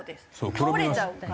倒れちゃうから。